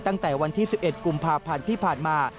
ตั้งแต่วันที่๑๑กุมภาพันธ์ที่ผ่านมา